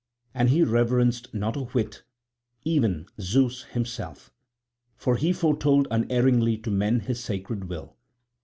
And he reverenced not a whit even Zeus himself, for he foretold unerringly to men his sacred will.